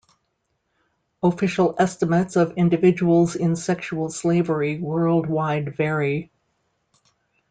Official estimates of individuals in sexual slavery worldwide vary.